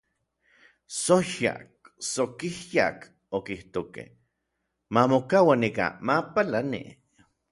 “Tsojyak, tsokijyak”, okijtokej, “mamokaua nikan, mapalani”.